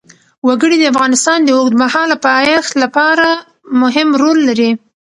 وګړي د افغانستان د اوږدمهاله پایښت لپاره مهم رول لري.